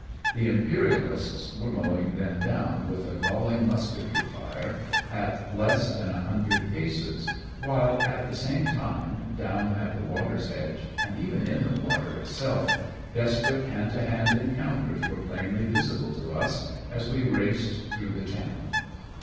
The Imperialists were mowing them down with a galling musketry fire at less than a hundred paces, while at the same time, down at the water's edge, and even in the water itself, desperate hand to hand encounters were plainly visible to us as we raced through the channel.